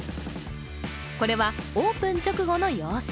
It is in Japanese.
これはオープン直後の様子。